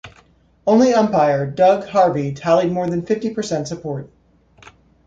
Only umpire Doug Harvey tallied more than fifty percent support.